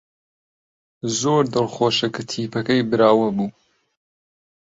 زۆر دڵخۆشە کە تیپەکەی براوە بوو.